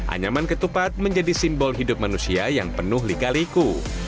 anyaman ketupat menjadi simbol hidup manusia yang penuh lika liku